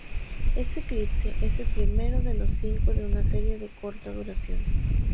Éste eclipse es el primero de los cinco de una serie de corta duración.